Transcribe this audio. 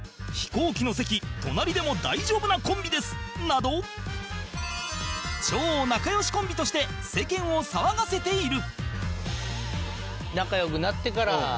など超仲良しコンビとして世間を騒がせている